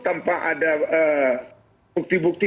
tanpa ada bukti bukti